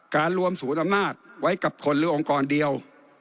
การรวมศูนย์อำนาจไว้กับคนหรือองค์กรเดียว